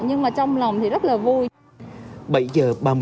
nhưng mà trong lòng thì rất là vui